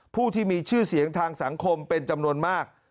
ผู้ที่มีชื่อเสียงทางสังคมเป็นจำนวนมาก